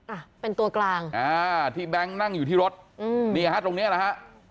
อ่ะเป็นตัวกลางอ่าที่แบงค์นั่งอยู่ที่รถอืมนี่ฮะตรงเนี้ยนะฮะ